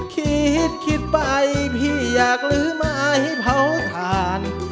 คิดคิดไปพี่อยากลื้อไม้เผาถ่าน